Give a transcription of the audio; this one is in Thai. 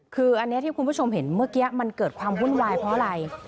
คืออันนี้ที่คุณผู้ชมเห็นเมื่อกี้มันเกิดความวุ่นวายเพราะอะไร